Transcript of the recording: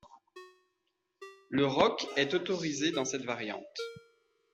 Le roque est autorisé dans cette variante.